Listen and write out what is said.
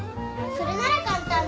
それなら簡単だ。